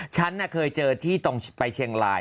ฉันเคยเจอที่ตรงไปเชียงราย